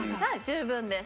十分です。